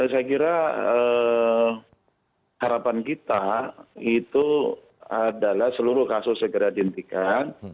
saya kira harapan kita itu adalah seluruh kasus segera dihentikan